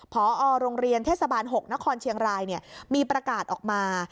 พอโรงเรียนเทศบาล๖นครเชียงรายมีประกาศออกมา